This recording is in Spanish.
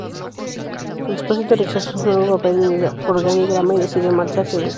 Expósito rechazó su nuevo papel en el organigrama y decidió marcharse del club.